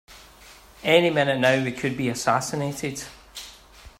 Any minute now we could be assassinated!